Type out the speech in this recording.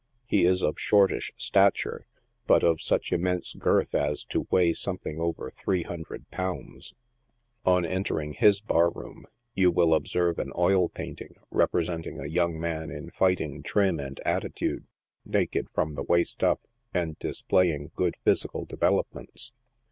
He is of shortish stature, but of such immense girth as to weigh something over three hun dred pounds. On entering his bar room, you will observe an oil painting, representing a young man in fighting trim and attitude, naked from the waist up. and displaying good physical develop ments.